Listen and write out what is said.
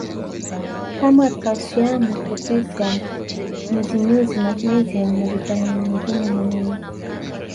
kama kalsiamu potasiamu nyuzinyuzi magnesiamu na vitamini nyingine muhimu